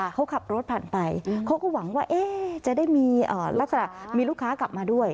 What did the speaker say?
เขากลับรถพันไปเขาก็หวังว่าเอ๊ะจะได้มีลูกค้ากลับมาด้วย